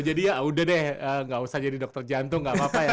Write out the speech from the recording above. jadi ya udah deh gak usah jadi dokter jantung gak apa apa ya